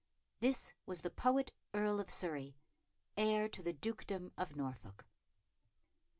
This was the poet Earl of Surrey, heir to the Dukedom of Norfolk.